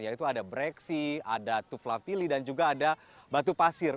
yaitu ada breksi ada tuflapili dan juga ada batu pasir